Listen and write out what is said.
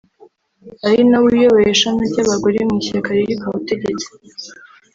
ari nawe uyoboye ishami ry’abagore mu ishyaka riri ku butegetsi